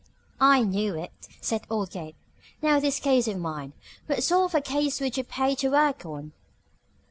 "I knew it," said old Gabe. "Now, this case of mine What sort of a case would you pay to work on?"